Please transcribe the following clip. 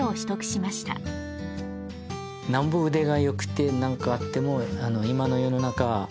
なんぼ腕が良くてなんかあっても今の世の中